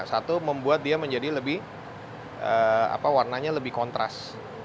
satu membuat dia menjadi lebih warnanya lebih kontras